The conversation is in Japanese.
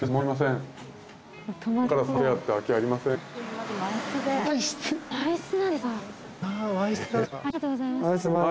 ありがとうございます。